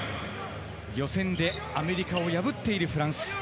予選でアメリカを破っているフランス。